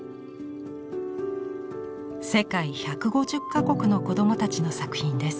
世界１５０か国の子どもたちの作品です。